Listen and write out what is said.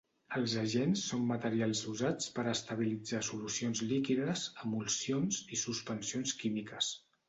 Els agents són materials usats per estabilitzar solucions líquides, emulsions, i suspensions químiques.